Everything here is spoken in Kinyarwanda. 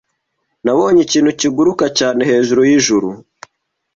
Nabonye ikintu kiguruka cyane hejuru yijuru.